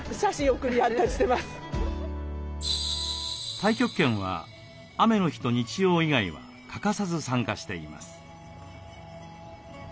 太極拳は雨の日と日曜以外は欠かさず参加しています。